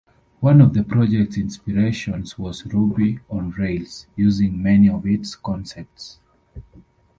One of the project's inspirations was Ruby on Rails, using many of its concepts.